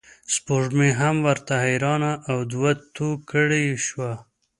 سپوږمۍ هم ورته حیرانه او دوه توکړې شوه.